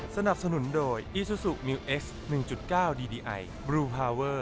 สนับสนุนโดยอีซูซูมิวเอ็กซ์๑๙ดีดีไอบลูพาเวอร์